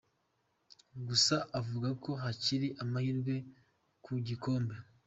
Gusa avuga ko hakiri amahirwe ku gikombe.